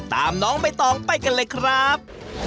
ตามน้องเบ้ตรองไปกันเลยครับ